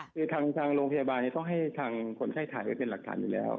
คือทางโรงพยาบาลต้องให้ทางคนไข้ถ่ายไว้เป็นหลักฐานอยู่แล้ว